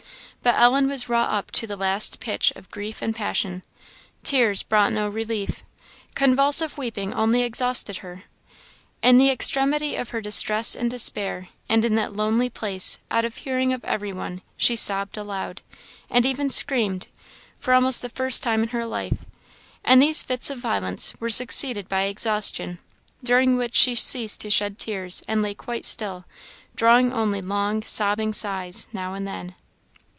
But Ellen was wrought up to the last pitch of grief and passion. Tears brought no relief. Convulsive weeping only exhausted her. In the extremity of her distress and despair, and in that lonely place, out of hearing of every one, she sobbed aloud, and even screamed, for almost the first time in her life; and these fits of violence were succeeded by exhaustion, during which she ceased to shed tears, and lay quite still, drawing only long, sobbing sighs, now and then.